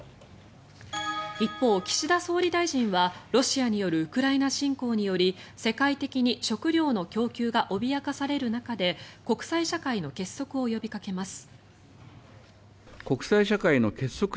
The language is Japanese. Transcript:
一方、岸田総理大臣はロシアによるウクライナ侵攻により世界的に食料の供給が脅かされる中で国際社会の結束を呼びかけます。